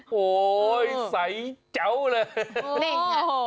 โหใสเจ้าเลย